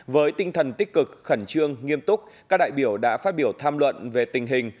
với tinh thần tích cực khẩn trương nghiêm túc các đại biểu đã phát biểu tham luận về tình hình